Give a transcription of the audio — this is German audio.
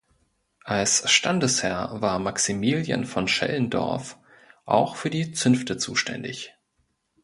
Als Standesherr war Maximilian von Schellendorff auch für die Zünfte zuständig.